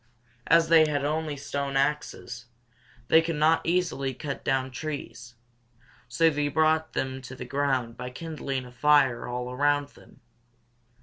As they had only stone axes, they could not easily cut down trees, so they brought them to the ground by kindling a fire all around them.